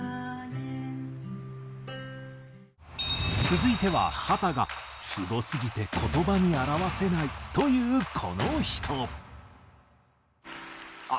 続いては秦が「すごすぎて言葉に表せない」と言うこの人。